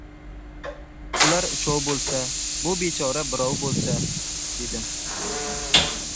Ular uchov bo‘lsa, bu bechora birov bo‘lsa! — dedim.